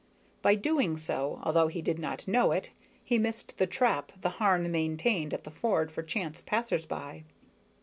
By doing so, although he did not know it, he missed the trap the Harn maintained at the ford for chance passers by.